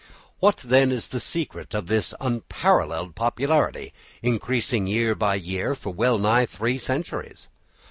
What, then, is the secret of this unparalleled popularity, increasing year by year for well nigh three centuries?